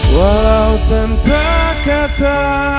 walau tanpa kata